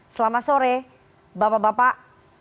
selamat sore bapak bapak